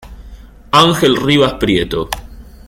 Ángel Rivas Prieto.